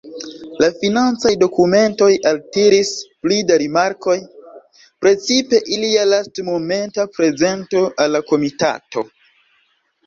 La financaj dokumentoj altiris pli da rimarkoj, precipe ilia lastmomenta prezento al la komitato.